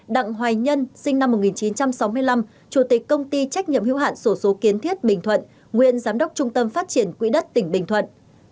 hai đặng hoài nhân sinh năm một nghìn chín trăm sáu mươi năm chủ tịch công ty trách nhiệm hữu hạn sổ số kiến thiết bình thuận nguyên giám đốc trung tâm phát triển quỹ đất tỉnh bình thuận